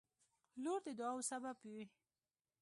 • لور د دعاوو سبب وي.